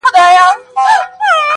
خو پاچا تېر له عالمه له پېغور وو.!